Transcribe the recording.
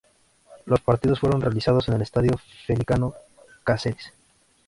Los partidos fueron realizados en el Estadio Feliciano Cáceres.